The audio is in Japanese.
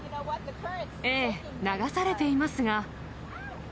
ええ、流されていますが。